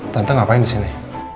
tante ngapain di sini